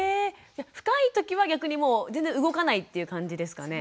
深い時は逆にもう全然動かないという感じですかね。